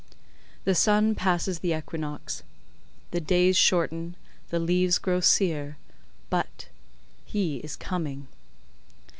The sun passes the equinox; the days shorten, the leaves grow sere; but—he is coming.